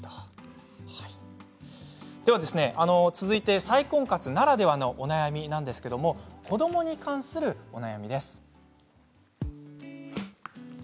続いて再婚活ならではのお悩みなんですけれど子どもに関するお悩みです。